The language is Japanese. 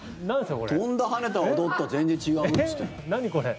跳んだ、跳ねた、踊った全然違うって。